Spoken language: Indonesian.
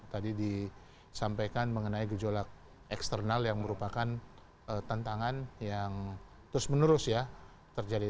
tadi disampaikan mengenai gejolak eksternal yang merupakan tantangan yang terus menerus ya terjadi